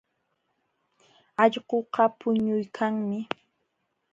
Allquqa puñuykanmi.